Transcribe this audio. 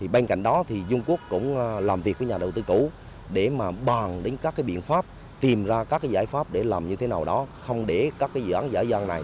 bên cạnh đó dung quốc cũng làm việc với nhà đầu tư cũ để bàn đến các biện pháp tìm ra các giải pháp để làm như thế nào đó không để các dự án giải gian này